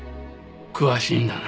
詳しいんだな。